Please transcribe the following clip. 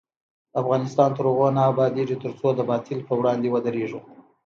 افغانستان تر هغو نه ابادیږي، ترڅو د باطل پر وړاندې ودریږو.